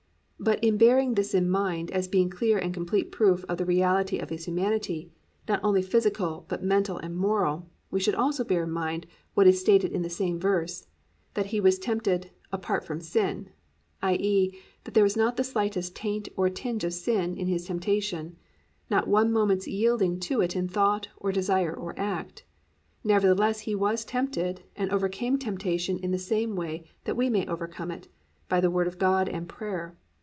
"+ But in bearing this in mind as being clear and complete proof of the reality of His humanity, not only physical but mental and moral, we should also bear in mind what is stated in the same verse, that He was tempted "Apart from Sin," i.e., that there was not the slightest taint or tinge of sin in His temptation, not one moment's yielding to it in thought or desire or act. Nevertheless, He was tempted and overcame temptation in the same way that we may overcome it, by the Word of God and prayer.